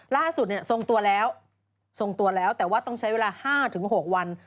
ทรงตัวแล้วทรงตัวแล้วแต่ว่าต้องใช้เวลา๕๖วัน